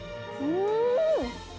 うん！